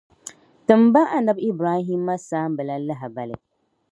Timi ba Anabi Ibrahima saamba la lahibali.